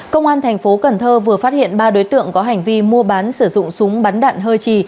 công an thành phố cần thơ vừa phát hiện ba đối tượng có hành vi mua bán sử dụng súng bắn đạn hơi trì